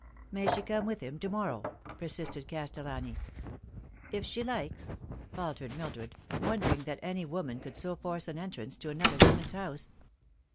"May she come with him to morrow ?" persisted Castellani. " If she likes," faltered Mildred, wondering that any woman could so force an entrance to another woman's house.